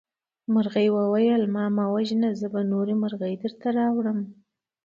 مرغۍ وویل چې ما مه وژنه زه به نورې مرغۍ درته راوړم.